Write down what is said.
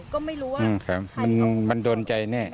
ก็ไม่รู้อะใครต้องมันโดนใจแน่